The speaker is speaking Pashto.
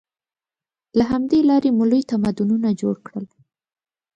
له همدې لارې مو لوی تمدنونه جوړ کړل.